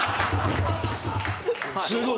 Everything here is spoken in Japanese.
すごい。